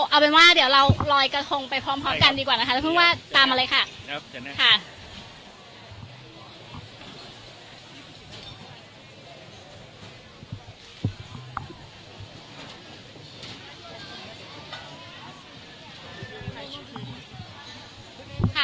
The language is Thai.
เอาเป็นว่าเดี๋ยวเราลอยกระทงไปพร้อมกันดีกว่านะคะแล้วเพิ่งว่าตามมาเลยค่ะ